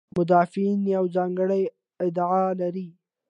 مدافعین یوه ځانګړې ادعا لري.